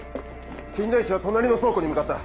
金田一は隣の倉庫に向かった！